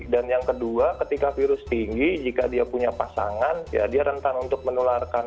dan yang kedua ketika virus tinggi jika dia punya pasangan ya dia rentan untuk menularkan